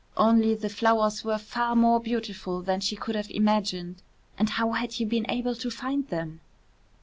Only the flowers were far more beautiful than she could have imagined and how had you been able to find them?